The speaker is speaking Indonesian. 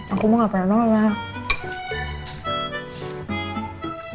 aku mau nggak pernah nolak